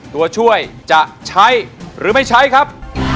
ตัวช่วยจะใช้หรือไม่ใช้ครับ